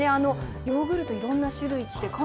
ヨーグルト、いろんな種類って。